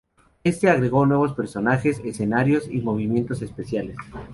Este agregó nuevos personajes, escenarios y movimientos especiales.